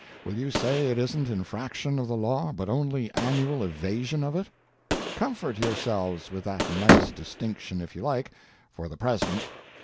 Will you say it isn't infraction of the law, but only annual evasion of it? Comfort yourselves with that nice distinction if you like for the present.